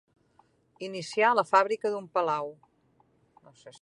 Iniciar la fàbrica d'un palau.